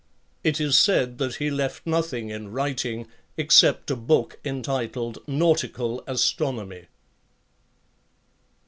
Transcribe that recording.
It is said that he left nothing in writing except a book entitled 'Nautical Astronomy.